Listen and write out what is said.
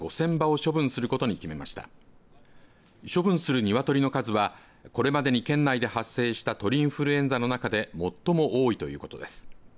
処分する鶏の数はこれまでに県内で発生した鳥インフルエンザの中で最も多いということです。